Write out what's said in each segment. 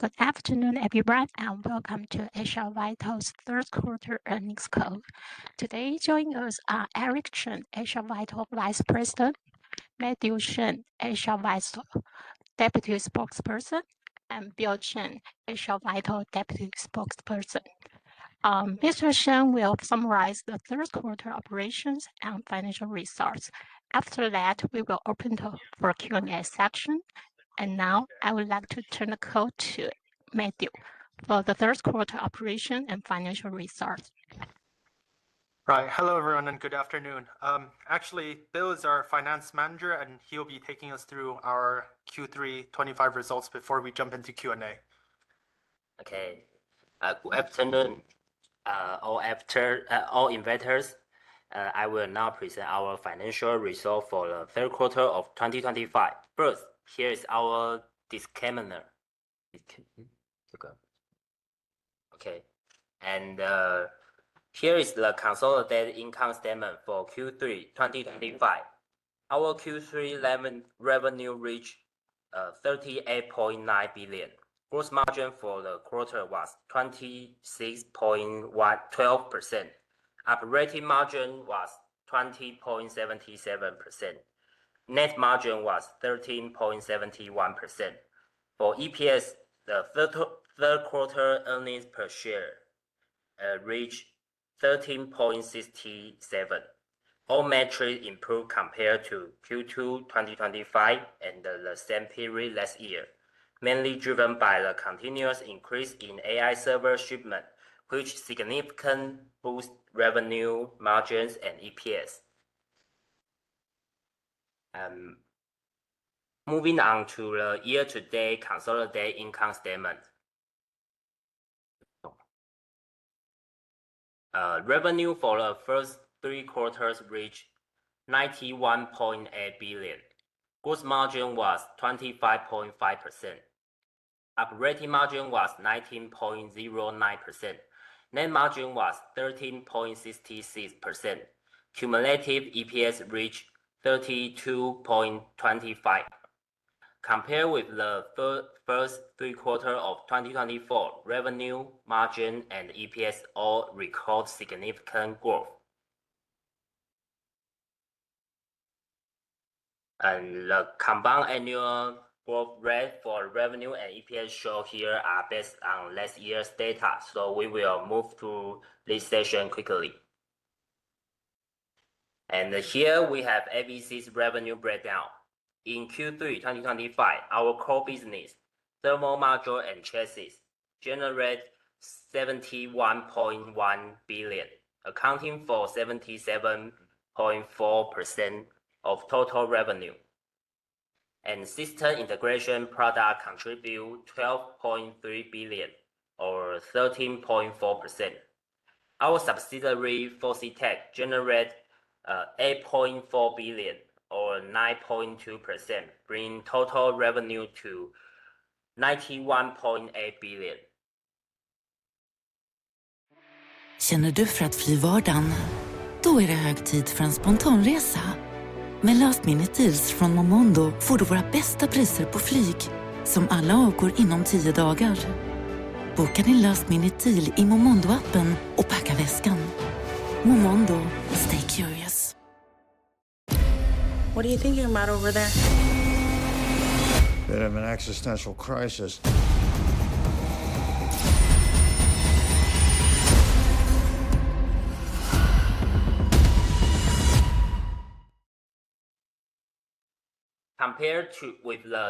Good afternoon, everybody, welcome to Asia Vital Components' third quarter earnings call. Today joining us are Eric Chen, Asia Vital Vice President, Matthew Shen, Asia Vital Deputy Spokesperson, and Bill Chen, Asia Vital Deputy Spokesperson. Mr. Shen will summarize the third quarter operations and financial results. After that, we will open the floor for Q&A session. Now I would like to turn the call to Matthew for the third quarter operation and financial results. Right. Hello, everyone, and good afternoon. Actually, Bill is our finance manager, and he will be taking us through our Q3 2025 results before we jump into Q&A. Okay. Good afternoon all investors. I will now present our financial results for the third quarter of 2025. First, here is our disclaimer. Okay. Here is the consolidated income statement for Q3 2025. Our Q3 revenue reached 38.9 billion. Gross margin for the quarter was 26.12%. Operating margin was 20.77%. Net margin was 13.71%. For EPS, the third quarter earnings per share reached 13.67. All metrics improved compared to Q2 2025 and the same period last year, mainly driven by the continuous increase in AI server shipment, which significantly boost revenue margins and EPS. Moving on to the year-to-date consolidated income statement. Revenue for the first three quarters reached 91.8 billion. Gross margin was 25.5%. Operating margin was 19.09%. Net margin was 13.66%. Cumulative EPS reached 32.25. Compared with the first three quarters of 2024, revenue, margin, and EPS all record significant growth. The compound annual growth rate for revenue and EPS shown here are based on last year's data. We will move through this session quickly. Here we have AVC's revenue breakdown. In Q3 2025, our core business, thermal module and chassis, generated TWD 71.1 billion, accounting for 77.4% of total revenue. System integration product contribute 12.3 billion or 13.4%. Our subsidiary, Fositek, generate 8.4 billion or 9.2%, bringing total revenue to 91.8 billion. What are you thinking about over there? That I'm an existential crisis. Compared with the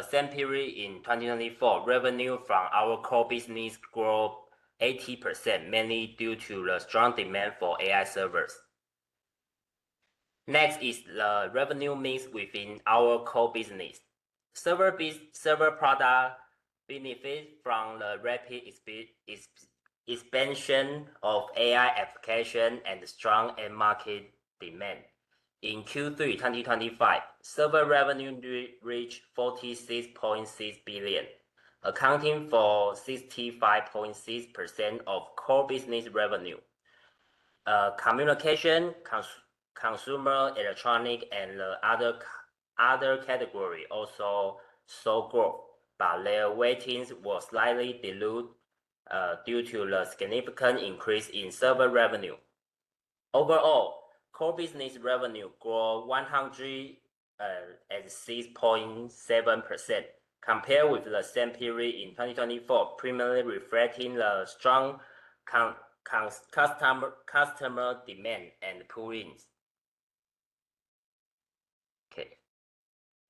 same period in 2024, revenue from our core business grew 80%, mainly due to the strong demand for AI servers. Next is the revenue mix within our core business. Server product benefits from the rapid expansion of AI application and strong end market demand. In Q3 2025, server revenue reached 46.6 billion, accounting for 65.6% of core business revenue. Communication, consumer electronic, and the other category also saw growth, but their weightings were slightly diluted due to the significant increase in server revenue. Overall, core business revenue grew 106.7% compared with the same period in 2024, primarily reflecting the strong customer demand and pull-ins. Okay.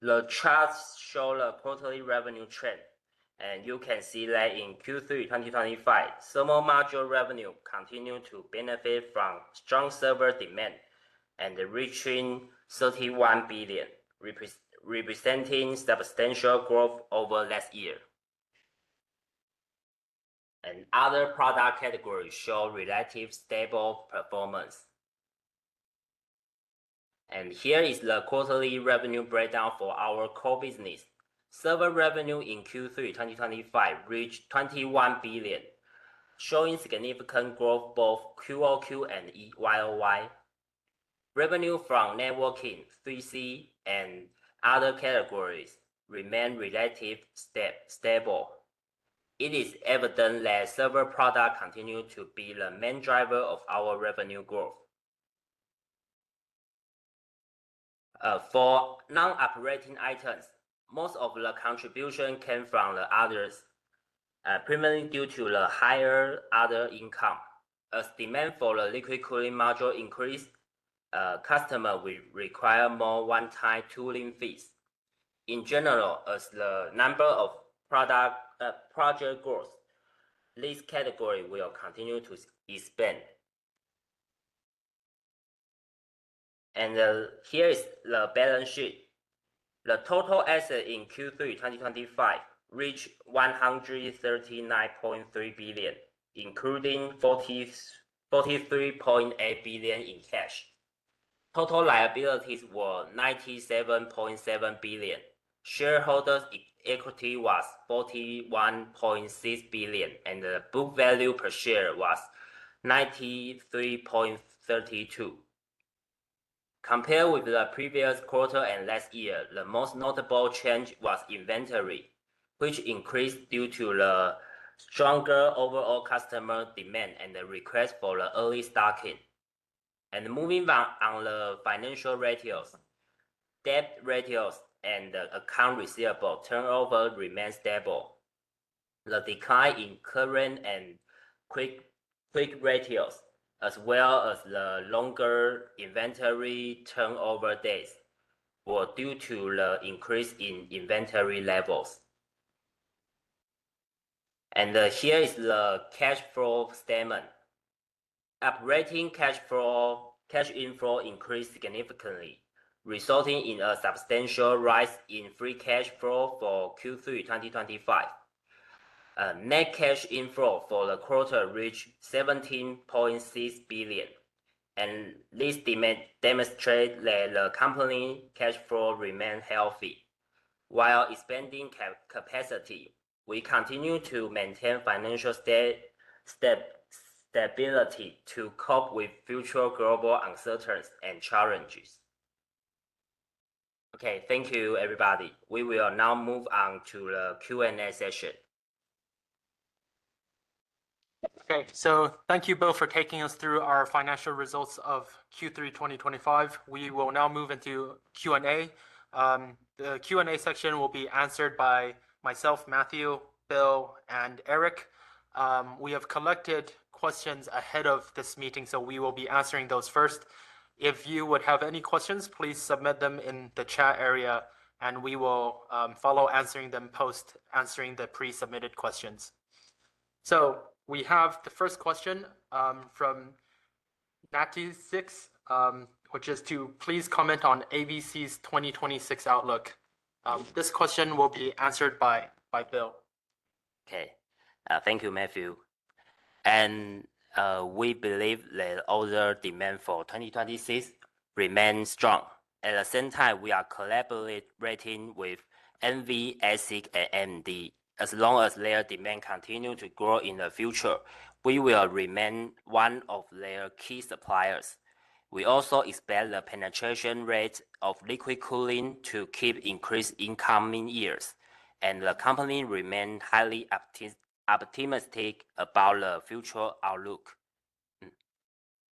The charts show the quarterly revenue trend, and you can see that in Q3 2025, thermal module revenue continued to benefit from strong server demand and reaching 31 billion, representing substantial growth over last year. Other product categories show relatively stable performance. Here is the quarterly revenue breakdown for our core business. Server revenue in Q3 2025 reached 21 billion, showing significant growth both QoQ and YoY. Revenue from networking, 3C, and other categories remain relatively stable. It is evident that server products continue to be the main driver of our revenue growth. For non-operating items, most of the contribution came from others, primarily due to the higher other income. As demand for the liquid cooling module increases, customers will require more one-time tooling fees. In general, as the number of projects grows, this category will continue to expand. Here is the balance sheet. The total assets in Q3 2025 reached 139.3 billion, including 43.8 billion in cash. Total liabilities were 97.7 billion. Shareholder's equity was 41.6 billion, and the book value per share was 93.32. Compared with the previous quarter and last year, the most notable change was inventory, which increased due to the stronger overall customer demand and the request for early stocking. Moving on to the financial ratios. Debt ratios and account receivable turnover remained stable. The decline in current and quick ratios, as well as the longer inventory turnover days, were due to the increase in inventory levels. Here is the cash flow statement. Operating cash inflow increased significantly, resulting in a substantial rise in free cash flow for Q3 2025. Net cash inflow for the quarter reached 17.6 billion. This demonstrates that the company cash flow remains healthy. While expanding capacity, we continue to maintain financial stability to cope with future global uncertainties and challenges. Okay. Thank you, everybody. We will now move on to the Q&A session. Okay. Thank you, Bill, for taking us through our financial results of Q3 2025. We will now move into Q&A. The Q&A section will be answered by myself, Matthew, Bill, and Eric. We have collected questions ahead of this meeting, so we will be answering those first. If you have any questions, please submit them in the chat area, and we will follow answering them post answering the pre-submitted questions. We have the first question from Matthew Shen, which is to please comment on AVC's 2026 outlook. This question will be answered by Bill. Okay. Thank you, Matthew. We believe that order demand for 2026 remains strong. At the same time, we are collaborating with NV, ASIC, and AMD. As long as their demand continues to grow in the future, we will remain one of their key suppliers. We also expect the penetration rate of liquid cooling to keep increasing in the coming years, and the company remains highly optimistic about the future outlook.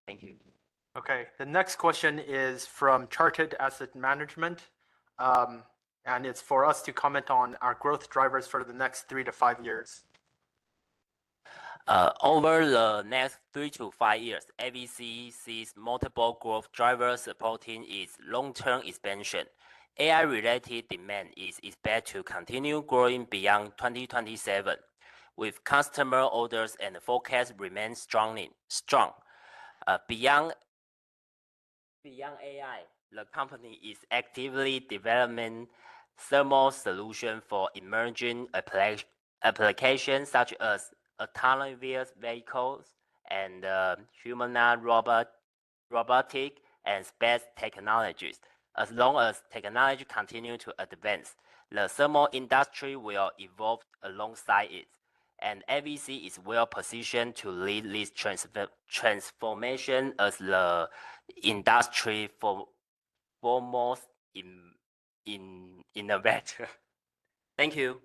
Thank you. Okay. The next question is from Chartered Asset Management, and it's for us to comment on our growth drivers for the next three to five years. Over the next three to five years, AVC sees multiple growth drivers supporting its long-term expansion. AI-related demand is expected to continue growing beyond 2027, with customer orders and forecasts remaining strong. Beyond AI, the company is actively developing thermal solutions for emerging applications such as autonomous vehicles and humanoid robotics and space technologies. As long as technology continues to advance, the thermal industry will evolve alongside it, and AVC is well positioned to lead this transformation as the industry's foremost innovator. Thank you.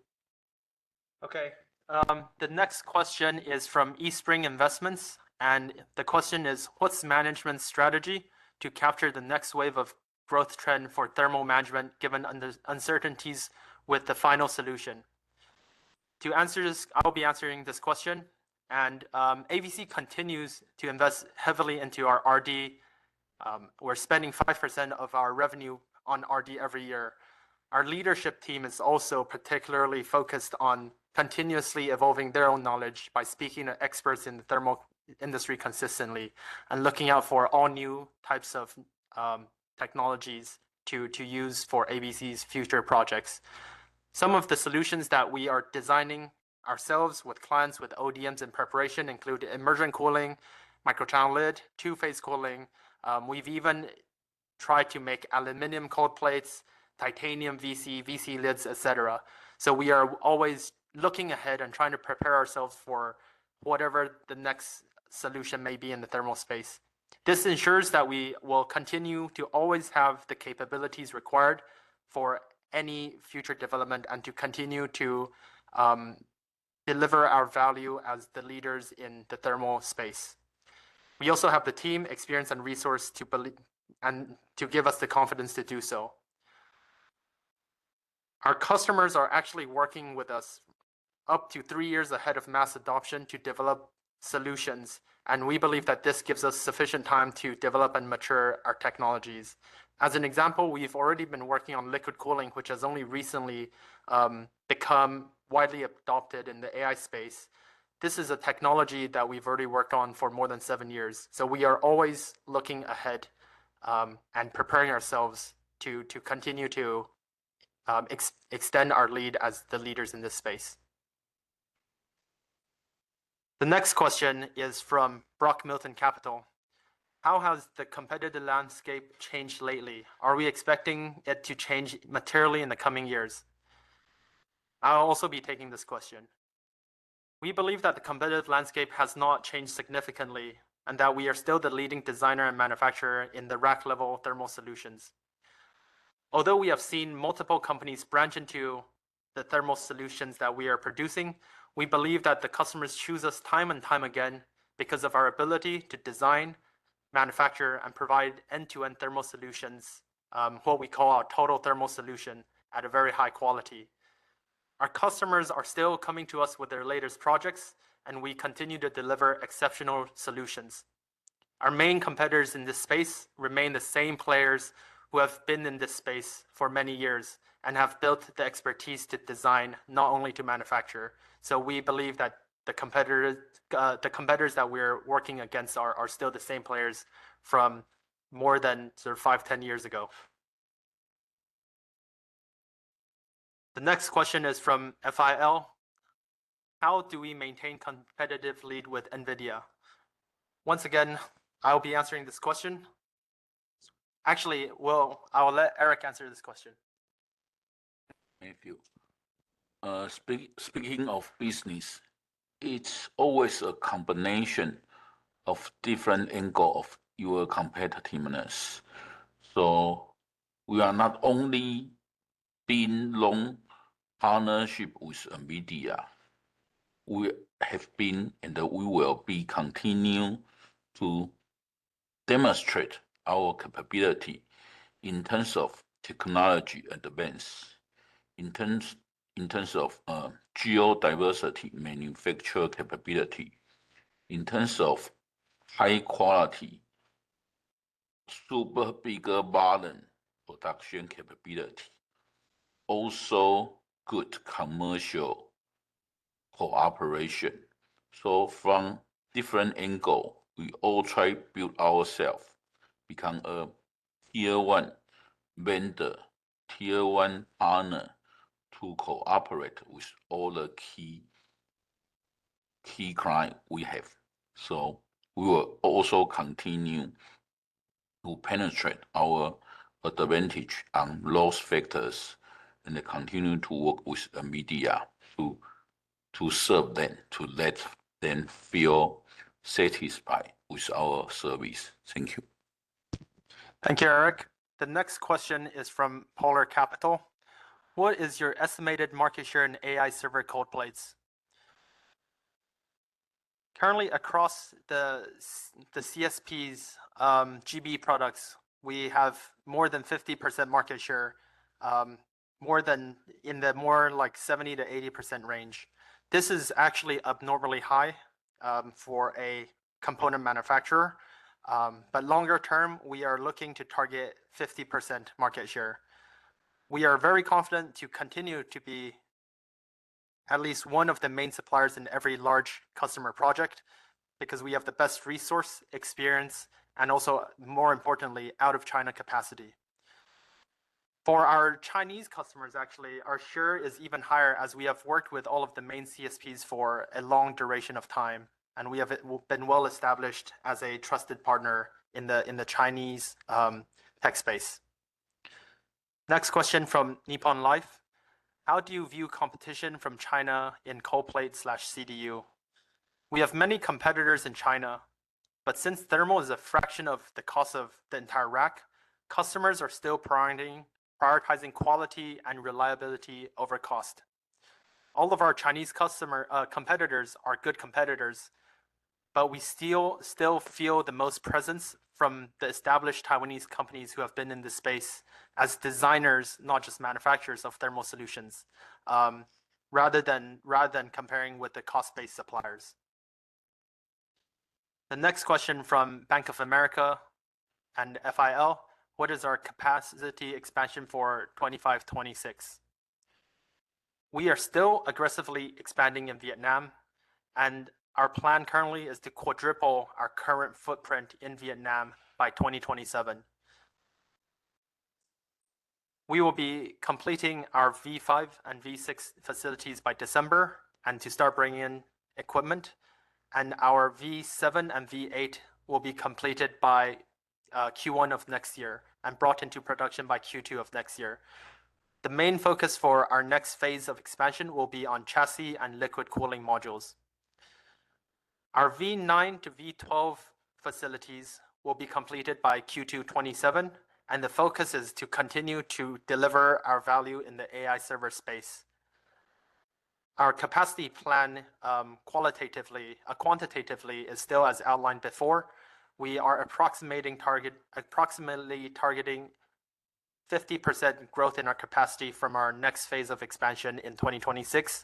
Okay. The next question is from Eastspring Investments. The question is: What's management's strategy to capture the next wave of growth trend for thermal management given the uncertainties with the final solution? To answer this, I'll be answering this question. AVC continues to invest heavily into our R&D. We're spending 5% of our revenue on R&D every year. Our leadership team is also particularly focused on continuously evolving their own knowledge by speaking to experts in the thermal industry consistently and looking out for all new types of technologies to use for AVC's future projects. Some of the solutions that we are designing ourselves with clients with ODMs in preparation include immersion cooling, microchannel lid, and two-phase cooling. We've ventured to make aluminum cold plates, titanium VC lids, etc. We are always looking ahead and trying to prepare ourselves for whatever the next solution may be in the thermal space. This ensures that we will continue to always have the capabilities required for any future development and to continue to deliver our value as the leaders in the thermal space. We also have the team experience and resource to give us the confidence to do so. Our customers are actually working with us up to three years ahead of mass adoption to develop solutions, and we believe that this gives us sufficient time to develop and mature our technologies. As an example, we've already been working on liquid cooling, which has only recently become widely adopted in the AI space. This is a technology that we've already worked on for more than seven years. We are always looking ahead, and preparing ourselves to continue to extend our lead as the leaders in this space. The next question is from Brock Milton Capital. How has the competitive landscape changed lately? Are we expecting it to change materially in the coming years? I'll also be taking this question. We believe that the competitive landscape has not changed significantly, and that we are still the leading designer and manufacturer in the rack level thermal solutions. Although we have seen multiple companies branch into the thermal solutions that we are producing, we believe that the customers choose us time and time again because of our ability to design, manufacture, and provide end-to-end thermal solutions, what we call our total thermal solution, at a very high quality. Our customers are still coming to us with their latest projects, and we continue to deliver exceptional solutions. Our main competitors in this space remain the same players who have been in this space for many years and have built the expertise to design, not only to manufacture. We believe that the competitors that we're working against are still the same players from more than 5-10 years ago. The next question is from FIL. How do we maintain competitive lead with NVIDIA? Once again, I'll be answering this question. Actually, well, I'll let Eric answer this question. Thank you. Speaking of business, it's always a combination of different angles of your competitiveness. We are not only been long partnership with NVIDIA. We have been, and we will be continuing to demonstrate our capability in terms of technology advance, in terms of geo-diversity manufacture capability, in terms of high quality, super bigger volume production capability, also good commercial cooperation. From different angle, we all try build ourself, become a tier 1 vendor, tier 1 partner to cooperate with all the key client we have. We will also continue to penetrate our advantage and leverage factors, and continue to work with NVIDIA to serve them, to let them feel satisfied with our service. Thank you. Thank you, Eric. The next question is from Polar Capital. What is your estimated market share in AI server cold plates? Currently across the CSPs GB products, we have more than 50% market share, in the more like 70%-80% range. This is actually abnormally high for a component manufacturer. Longer term, we are looking to target 50% market share. We are very confident to continue to be at least one of the main suppliers in every large customer project because we have the best resource, experience, and also more importantly, out of China capacity. For our Chinese customers, actually, our share is even higher as we have worked with all of the main CSPs for a long duration of time, and we have been well established as a trusted partner in the Chinese tech space. Next question from Nippon Life. How do you view competition from China in cold plate/CDU? We have many competitors in China, but since thermal is a fraction of the cost of the entire rack, customers are still prioritizing quality and reliability over cost. All of our Chinese competitors are good competitors, but we still feel the most presence from the established Taiwanese companies who have been in the space as designers, not just manufacturers of thermal solutions, rather than comparing with the cost-based suppliers. The next question from Bank of America and FIL, what is our capacity expansion for 2025, 2026? We are still aggressively expanding in Vietnam, and our plan currently is to quadruple our current footprint in Vietnam by 2027. We will be completing our V5 and V6 facilities by December, and to start bringing in equipment. Our V7 and V8 will be completed by Q1 of next year and brought into production by Q2 of next year. The main focus for our next phase of expansion will be on chassis and liquid cooling modules. Our V9 to V12 facilities will be completed by Q2 2027, and the focus is to continue to deliver our value in the AI server space. Our capacity plan quantitatively is still as outlined before. We are approximately targeting 50% growth in our capacity from our next phase of expansion in 2026.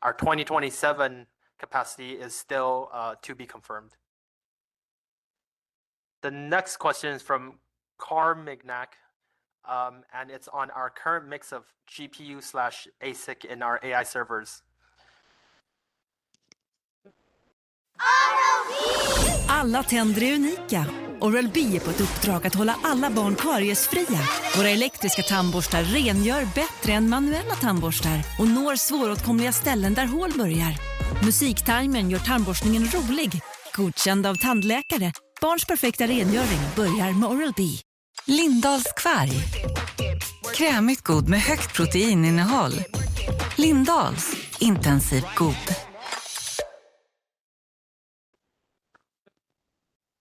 Our 2027 capacity is still to be confirmed. The next question is from Carmignac, and it's on our current mix of GPU/ASIC in our AI servers.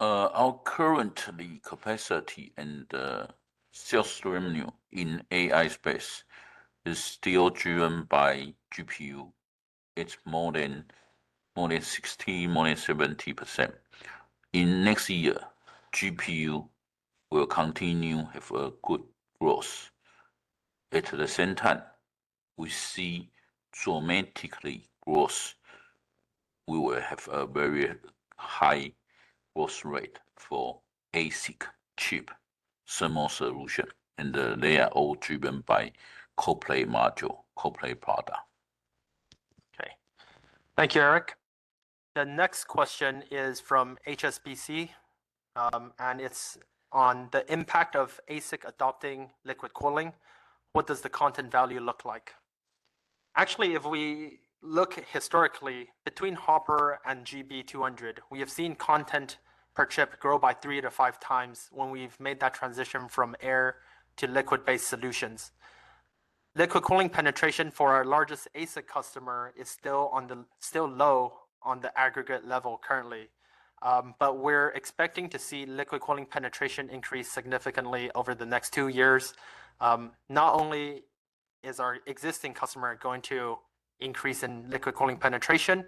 Our current capacity and sales revenue in AI space is still driven by GPU. It's more than 60, more than 70%. In next year, GPU will continue have a good growth. At the same time, we see dramatic growth. We will have a very high growth rate for ASIC chip thermal solution, they are all driven by cold plate module, cold plate product. Okay. Thank you, Eric. The next question is from HSBC, and it is on the impact of ASIC adopting liquid cooling. What does the content value look like? Actually, if we look historically between Hopper and GB200, we have seen content per chip grow by 3x to 5x when we have made that transition from air to liquid-based solutions. Liquid cooling penetration for our largest ASIC customer is still low on the aggregate level currently. We are expecting to see liquid cooling penetration increase significantly over the next two years. Not only is our existing customer going to increase in liquid cooling penetration,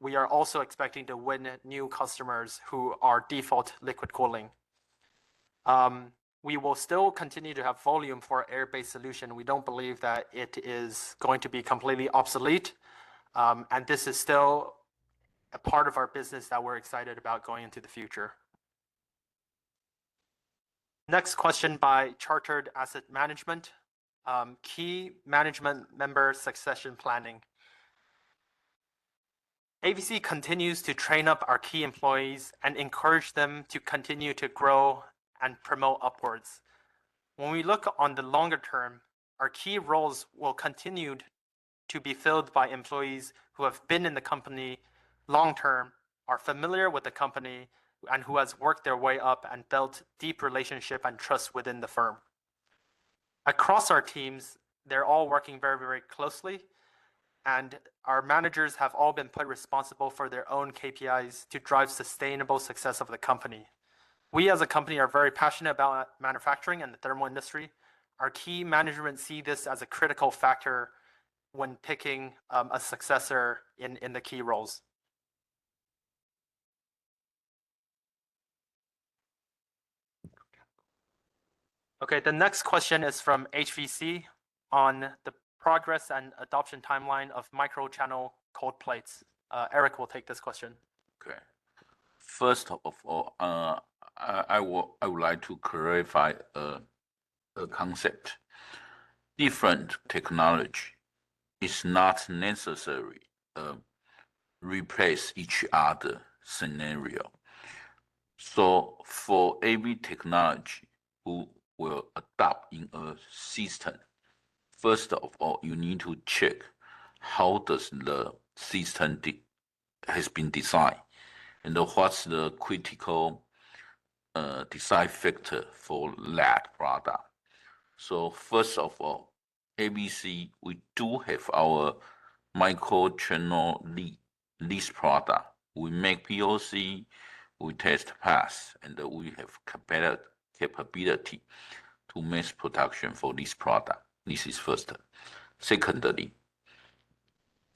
we are also expecting to win new customers who are default liquid cooling. We will still continue to have volume for our air-based solution. We don't believe that it is going to be completely obsolete, and this is still a part of our business that we're excited about going into the future. Next question by Chartered Asset Management, key management member succession planning. AVC continues to train up our key employees and encourage them to continue to grow and promote upwards. When we look on the longer term, our key roles will continue to be filled by employees who have been in the company long term, are familiar with the company, and who has worked their way up and built deep relationship and trust within the firm. Across our teams, they're all working very closely, and our managers have all been held responsible for their own KPIs to drive sustainable success of the company. We as a company are very passionate about manufacturing and the thermal industry. Our key management see this as a critical factor when picking a successor in the key roles. Okay, the next question is from HSBC on the progress and adoption timeline of microchannel cold plates. Eric will take this question. Okay. First of all, I would like to clarify a concept. Different technology is not necessary replace each other scenario. For every technology who will adopt in a system, first of all, you need to check how does the system has been designed, and what's the critical design factor for that product. First of all, AVC, we do have our microchannel lid, this product. We make POC, we test pass, and we have capability to mass production for this product. This is first. Secondly,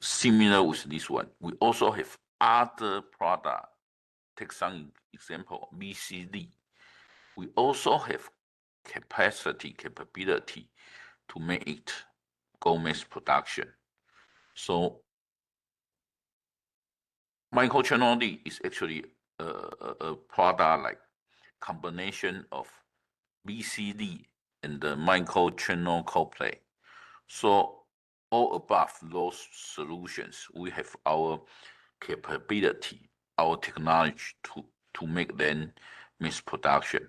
similar with this one, we also have other product. Take some example, VC lid. We also have capacity, capability to make it go mass production. Microchannel lid is actually a product like combination of VC lid and the microchannel cold plate. All above those solutions, we have our capability, our technology to make them mass production.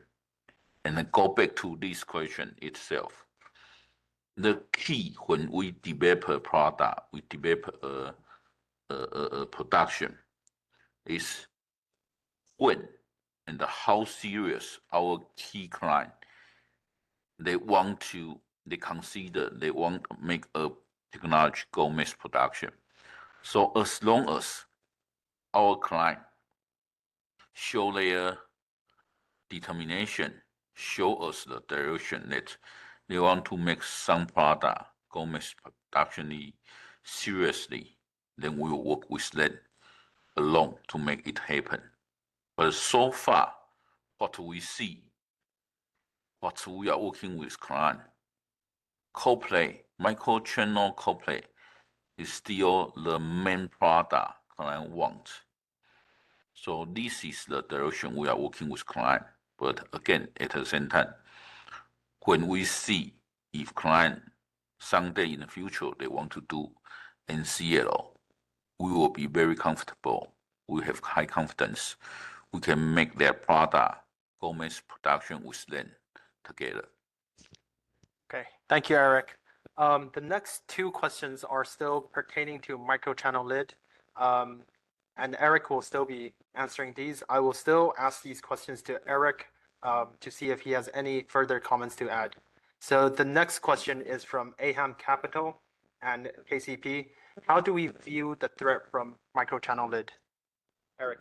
Go back to this question itself. The key when we develop a product, we develop a production, is when and how serious our key client they want to consider, they want to make a technology go mass production. As long as our client show their determination, show us the direction that they want to make some product go mass production seriously, then we will work with them along to make it happen. So far, what we see, what we are working with client, microchannel cold plate is still the main product client want. This is the direction we are working with client. Again, at the same time, when we see if client someday in the future, they want to do MCL, we will be very comfortable. We have high confidence we can make their product for mass production with them together. Okay. Thank you, Eric. The next two questions are still pertaining to microchannel lid, and Eric will still be answering these. I will still ask these questions to Eric, to see if he has any further comments to add. The next question is from AHAM Capital and KCP. How do we view the threat from microchannel lid, Eric?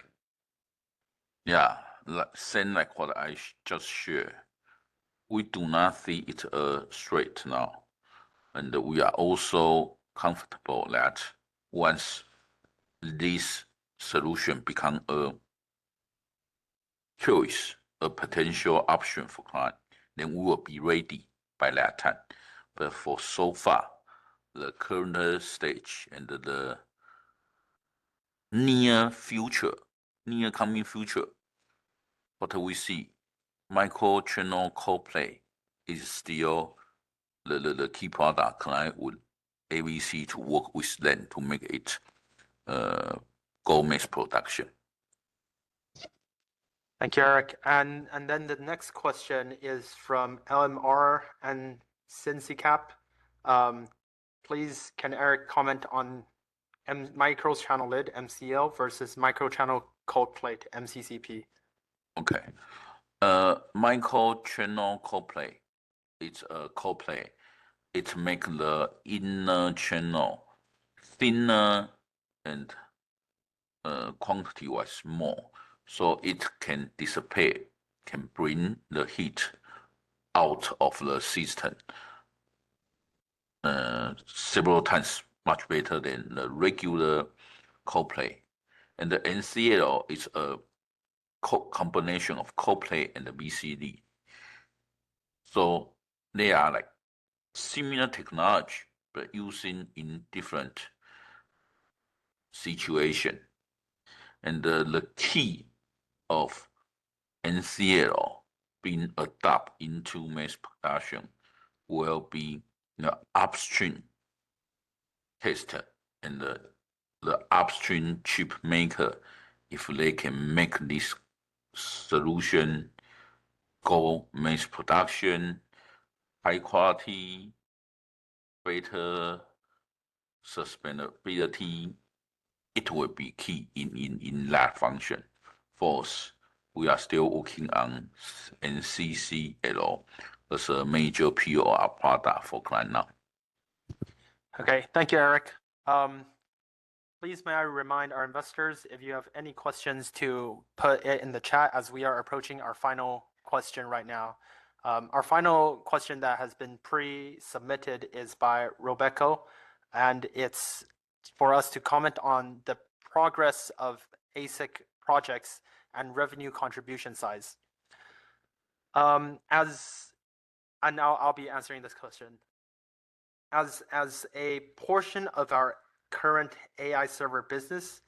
Yeah. Same like what I just shared. We do not see it a threat now, and we are also comfortable that once this solution become a choice, a potential option for client, then we will be ready by that time. For so far, the current stage and the near coming future, what we see, microchannel cold plate is still the key product client would AVC to work with them to make it go mass production. Thanks, Eric. The next question is from LMR and SinoPac. Please, can Eric comment on microchannel lid, MCL, versus microchannel cold plate, MCCP? Okay. microchannel cold plate. It's a cold plate. It make the inner channel thinner and quantity wise more, so it can dissipate, can bring the heat out of the system several times much better than the regular cold plate. The MCL is a combination of cold plate and the VC lid. They are like similar technology, but using in different situation. The key of MCL being adopt into mass production will be the upstream tester and the upstream chip maker. If they can make this solution go mass production, high quality, better sustainability, it will be key in that function. For us, we are still working on MCL at all as a major PO product for client now. Okay. Thank you, Eric. Please may I remind our investors if you have any questions to put it in the chat as we are approaching our final question right now. Our final question that has been pre-submitted is by Robeco, and it is for us to comment on the progress of ASIC projects and revenue contribution size. I'll be answering this question. As a portion of our current AI server business,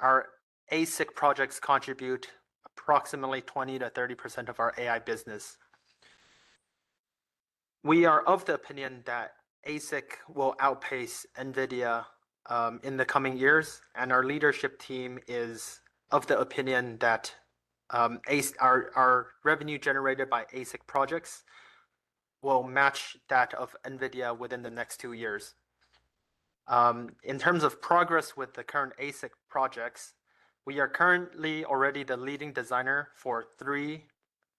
our ASIC projects contribute approximately 20%-30% of our AI business. We are of the opinion that ASIC will outpace NVIDIA in the coming years, and our leadership team is of the opinion that our revenue generated by ASIC projects will match that of NVIDIA within the next two years. In terms of progress with the current ASIC projects, we are currently already the leading designer for three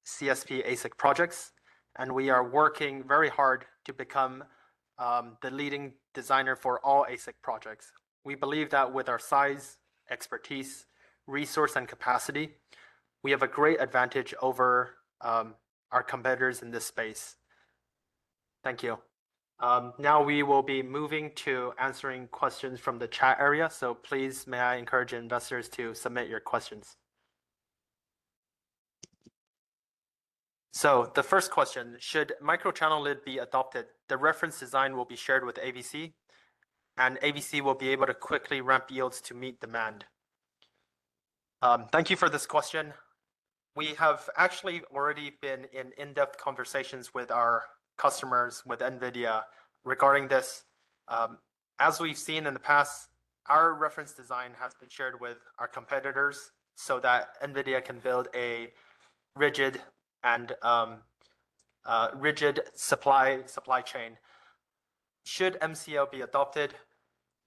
CSP ASIC projects, and we are working very hard to become the leading designer for all ASIC projects. We believe that with our size, expertise, resource, and capacity, we have a great advantage over our competitors in this space. Thank you. Now we will be moving to answering questions from the chat area. Please may I encourage investors to submit your questions. The first question, should microchannel lid be adopted, the reference design will be shared with AVC, and AVC will be able to quickly ramp yields to meet demand? Thank you for this question. We have actually already been in in-depth conversations with our customers, with NVIDIA regarding this. As we've seen in the past, our reference design has been shared with our competitors so that NVIDIA can build a rigid supply chain. Should MCL be adopted,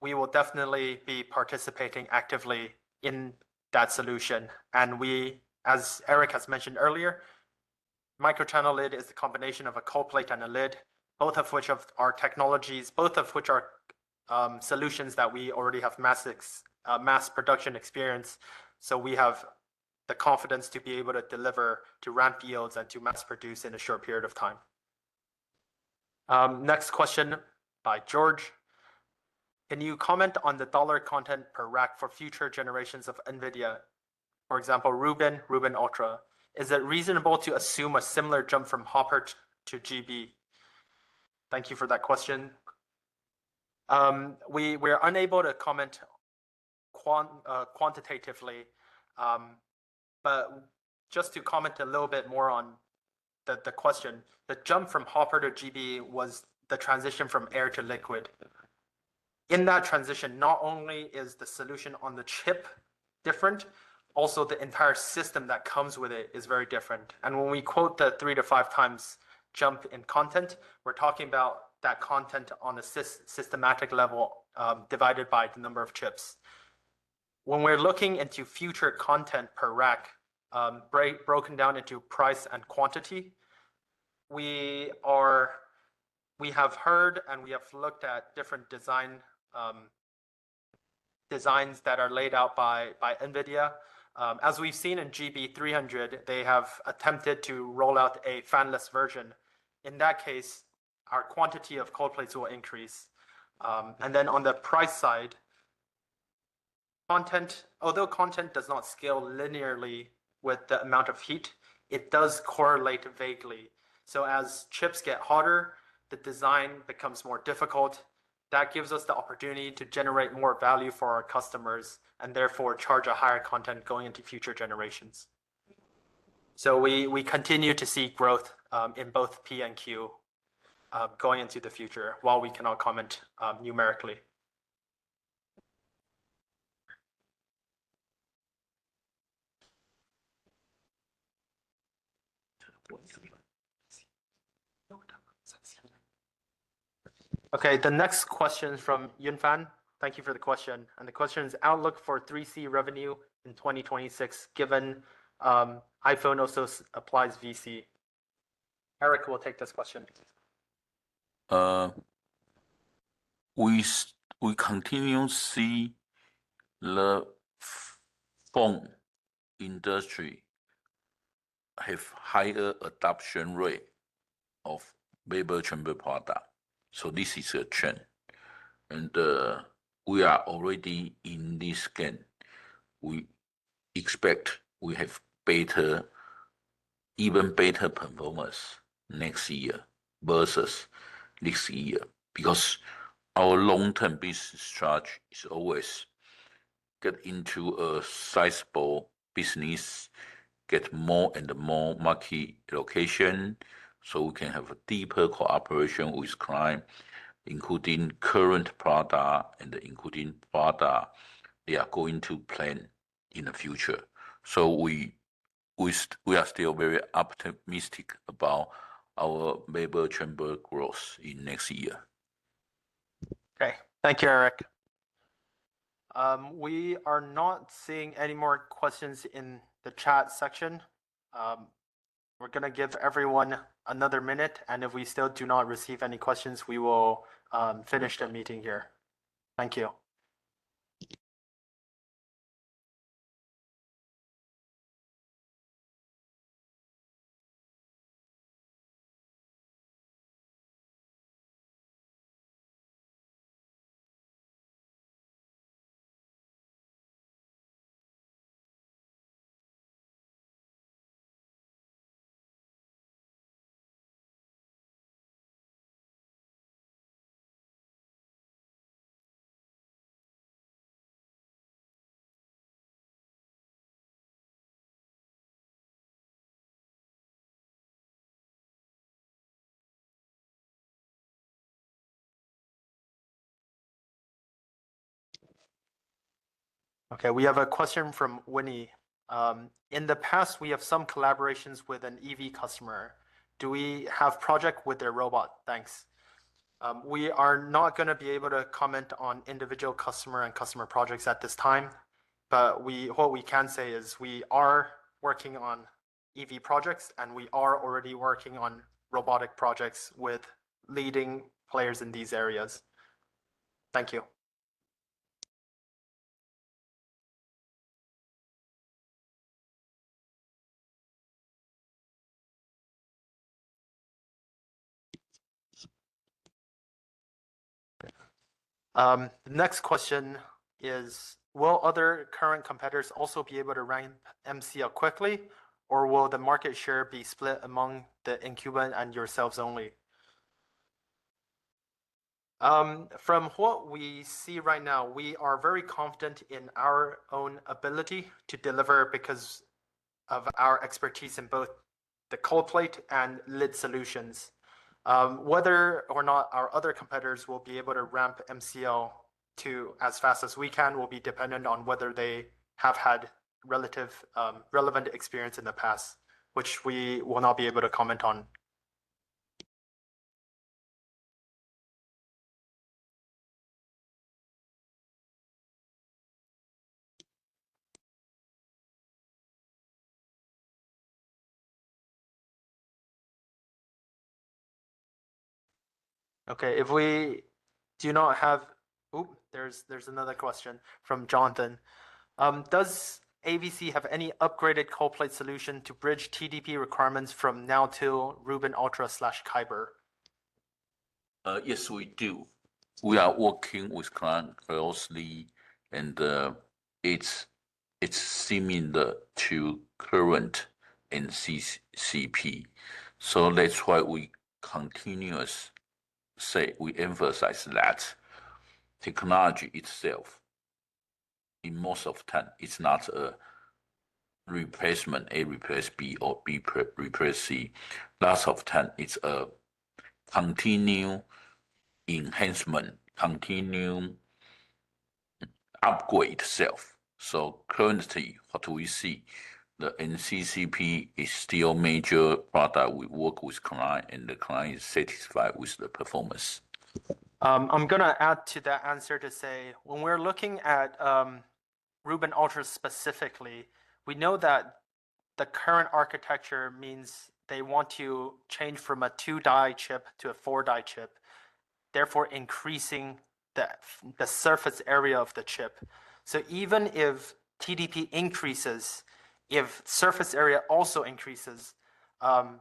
we will definitely be participating actively in that solution. We, as Eric has mentioned earlier, Microchannel Lid is a combination of a cold plate and a lid, both of which are solutions that we already have mass production experience. We have the confidence to be able to deliver, to ramp yields, and to mass produce in a short period of time. Next question by George. Can you comment on the dollar content per rack for future generations of NVIDIA, for example, Rubin Ultra? Is it reasonable to assume a similar jump from Hopper to GB? Thank you for that question. We are unable to comment quantitatively, just to comment a little bit more on the question. The jump from Hopper to GB was the transition from air to liquid. In that transition, not only is the solution on the chip different, also the entire system that comes with it is very different. When we quote that 3x to 5x jump in content, we're talking about that content on a systematic level, divided by the number of chips. When we're looking into future content per rack, broken down into price and quantity, we have heard and we have looked at different designs that are laid out by NVIDIA. As we've seen in GB300, they have attempted to roll out a fanless version. In that case, our quantity of cold plates will increase. On the price side, although content does not scale linearly with the amount of heat, it does correlate vaguely. As chips get hotter, the design becomes more difficult. That gives us the opportunity to generate more value for our customers, and therefore charge a higher content going into future generations. We continue to see growth, in both P and Q, going into the future, while we cannot comment numerically. Okay, the next question from Yun Fan, thank you for the question. The question is: outlook for 3C revenue in 2026, given iPhone also applies VC. Eric will take this question. We continue to see the phone industry have higher adoption rate of vapor chamber product. This is a trend, we are already in this game. We expect we have even better performance next year versus this year, because our long-term business target is always get into a sizable business, get more and more market share, we can have a deeper cooperation with client, including current product and including product they are going to plan in the future. We are still very optimistic about our vapor chamber growth in next year. Okay. Thank you, Eric. We are not seeing any more questions in the chat section. We're going to give everyone another minute, and if we still do not receive any questions, we will finish the meeting here. Thank you. Okay, we have a question from Winnie. In the past, we have some collaborations with an EV customer. Do we have project with their robot? Thanks. We are not going to be able to comment on individual customer and customer projects at this time. What we can say is we are working on EV projects, and we are already working on robotic projects with leading players in these areas. Thank you. Next question is: will other current competitors also be able to rank MCL quickly, or will the market share be split among the incumbent and yourselves only? From what we see right now, we are very confident in our own ability to deliver because of our expertise in both the cold plate and lid solutions. Whether or not our other competitors will be able to ramp MCL too as fast as we can will be dependent on whether they have had relevant experience in the past, which we will not be able to comment on. Okay. There's another question from Jonathan. Does AVC have any upgraded cold plate solution to bridge TDP requirements from now till Rubin Ultra/Kyber? Yes, we do. We are working with client closely, and it's similar to current MCCP. That's why we continuously emphasize that technology itself, in most of the time, it's not a replacement, A replace B or B replace C. Lots of time, it's a continued enhancement, continued upgrade itself. Currently, what we see, the MCCP is still major product we work with client, and the client is satisfied with the performance. I'm going to add to that answer to say, when we're looking at Rubin Ultra specifically, we know that the current architecture means they want to change from a two die chip to a four die chip, therefore increasing the surface area of the chip. Even if TDP increases, if surface area also increases, if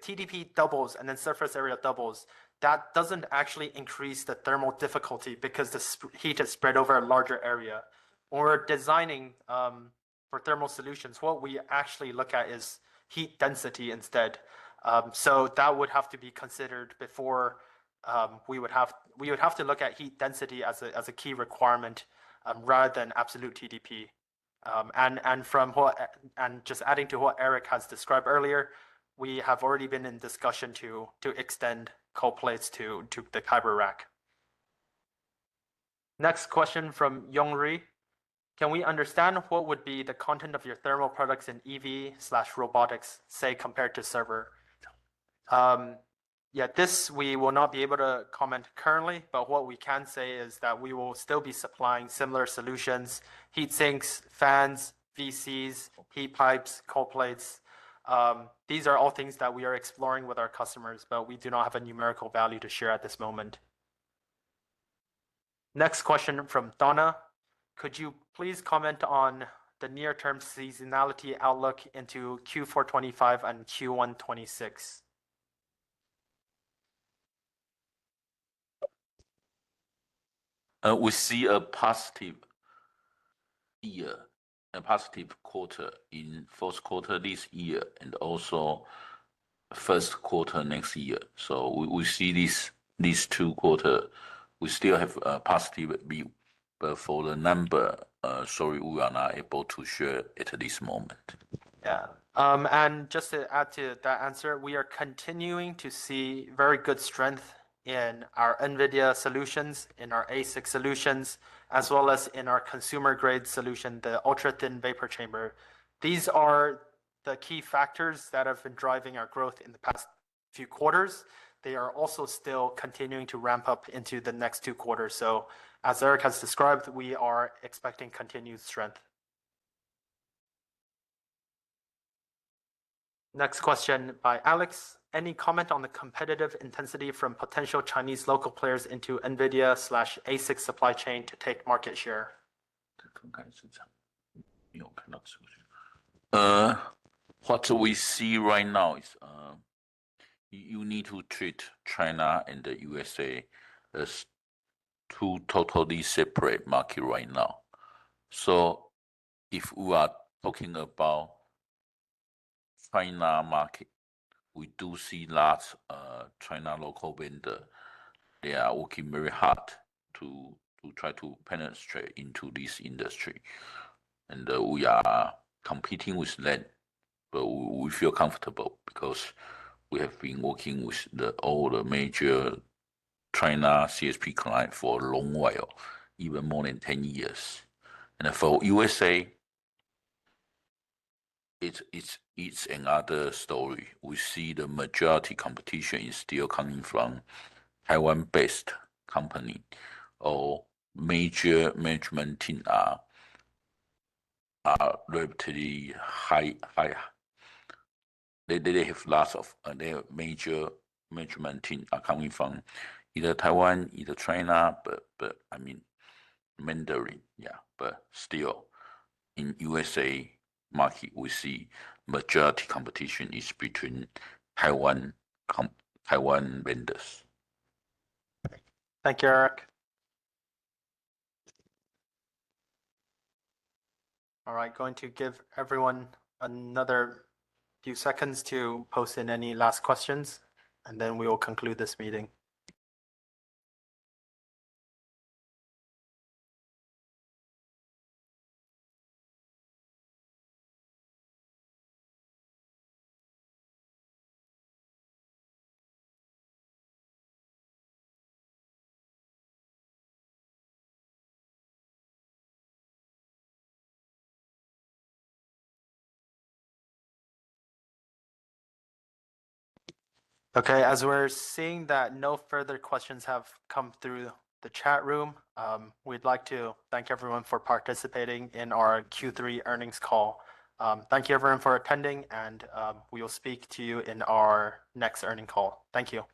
TDP doubles and then surface area doubles, that doesn't actually increase the thermal difficulty because the heat is spread over a larger area. When we're designing for thermal solutions, what we actually look at is heat density instead. That would have to be considered before. We would have to look at heat density as a key requirement rather than absolute TDP. Just adding to what Eric has described earlier, we have already been in discussion to extend cold plates to the Kyber rack. Next question from Yong Ri. Can we understand what would be the content of your thermal products in EV/robotics, say, compared to server? This, we will not be able to comment currently, but what we can say is that we will still be supplying similar solutions, heat sinks, fans, VCs, heat pipes, cold plates. These are all things that we are exploring with our customers, but we do not have a numerical value to share at this moment. Next question from Donna. Could you please comment on the near-term seasonality outlook into Q4 2025 and Q1 2026? We see a positive quarter in fourth quarter this year, and also first quarter next year. We see these two quarter, we still have a positive view. For the number, sorry, we are not able to share at this moment. Yeah. Just to add to that answer, we are continuing to see very good strength in our NVIDIA solutions, in our ASIC solutions, as well as in our consumer-grade solution, the ultra-thin vapor chamber. These are the key factors that have been driving our growth in the past few quarters. They are also still continuing to ramp up into the next two quarters. As Eric has described, we are expecting continued strength. Next question by Alex. Any comment on the competitive intensity from potential Chinese local players into NVIDIA/ASIC supply chain to take market share? What we see right now is you need to treat China and the U.S.A. as two totally separate market right now. If we are talking about China market, we do see large China local vendor. They are working very hard to try to penetrate into this industry. We are competing with them, but we feel comfortable because we have been working with all the major China CSP client for a long while, even more than 10 years. For U.S.A., it's another story. We see the majority competition is still coming from Taiwan-based company or major management team are relatively higher. Their major management team are coming from either Taiwan, either China, but, I mean, Mandarin. Yeah. Still, in U.S.A. market, we see majority competition is between Taiwan vendors. Thank you, Eric. All right. Going to give everyone another few seconds to post in any last questions, and then we will conclude this meeting. Okay. As we're seeing that no further questions have come through the chat room, we'd like to thank everyone for participating in our Q3 earnings call. Thank you, everyone, for attending, and we will speak to you in our next earnings call. Thank you.